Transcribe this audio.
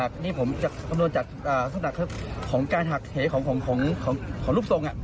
แต่นี่ผมจะคำนวณจากของการหักเหตุของรูปทรง